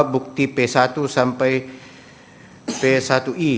bukti p satu sampai p satu i